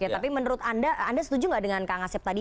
tapi menurut anda anda setuju nggak dengan kang asep tadi